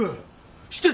知ってた？